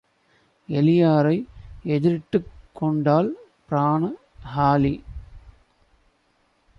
எளியாரை எதிரிட்டுக் கொண்டால் பிரான ஹாளி.